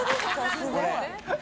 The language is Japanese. すごい。